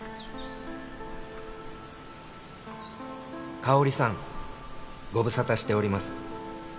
「佳保里さんご無沙汰しております」